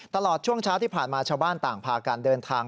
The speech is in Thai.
ตลอดช่วงเช้าที่ผ่านมาชาวบ้านต่างพาการเดินทาง